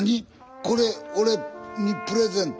これ俺にプレゼント？